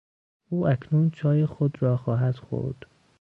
او اکنون چای خود را خواهد خورد.